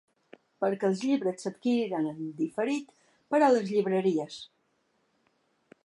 Perquè els llibres s’adquiriran en diferit, però a les llibreries.